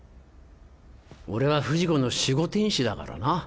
俺は不二子の守護天使だからな。